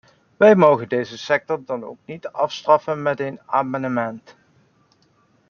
Wij mogen deze sector dan ook niet afschaffen met een amendement!